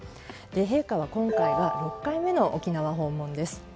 陛下は今回は６回目の沖縄訪問です。